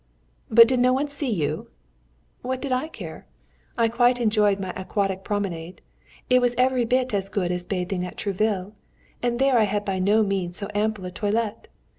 "But did no one see you?" "What did I care? I quite enjoyed my aquatic promenade. It was every bit as good as bathing at Trouville, and there I had by no means so ample a toilet.